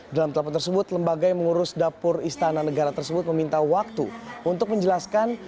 dalam telepon tersebut lembaga yang mengurus dapur istana negara tersebut meminta waktu untuk menjelaskan